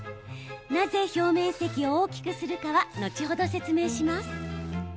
なぜ表面積を大きくするかは後ほど説明します。